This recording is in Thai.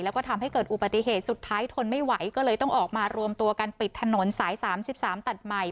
แล้วก็ทำให้เกิดอุบัติเหตุสุดท้ายทนไม่ไหวก็เลยต้องออกมารวมตัวกันปิดถนนสาย๓๓ตัดใหม่